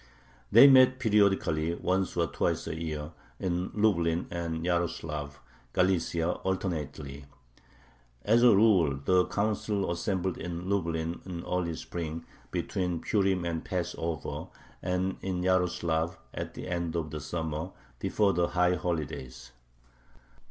They met periodically, once or twice a year, in Lublin and Yaroslav (Galicia) alternately. As a rule, the Council assembled in Lublin in early spring, between Purim and Passover, and in Yaroslav at the end of the summer, before the high holidays.